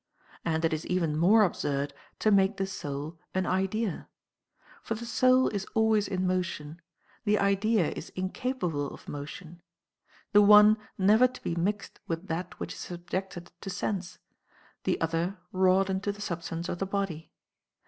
And it is even more absurd to make the soul an idea. For the soul is always in motion ; the idea is incapable of motion ; the one never to be mixed with that which is subjected to sense, the other wrought into the substance of the body.